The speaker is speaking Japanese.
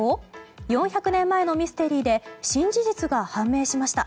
４００年前のミステリーで新事実が判明しました。